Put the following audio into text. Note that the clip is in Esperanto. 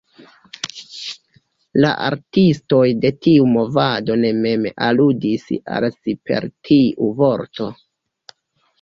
La artistoj de tiu movado ne mem aludis al si per tiu vorto.